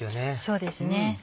そうですね。